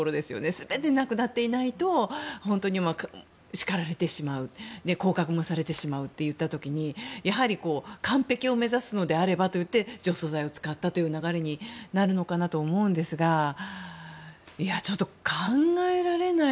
全てなくなっていないと叱られてしまう降格もされてしまうという時にやはり、完璧を目指すのであればといって除草剤を使ったという流れになるのかなと思うんですがちょっと、考えられない。